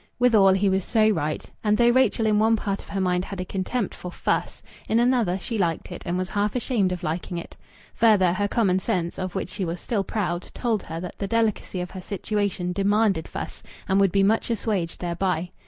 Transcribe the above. Withal, he was so right. And though Rachel in one part of her mind had a contempt for "fuss," in another she liked it and was half ashamed of liking it. Further, her common sense, of which she was still proud, told her that the delicacy of her situation demanded "fuss," and would be much assuaged thereby.